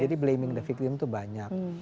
jadi blaming the victim itu banyak